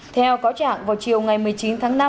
theo cáo trạng vào chiều ngày một mươi chín tháng năm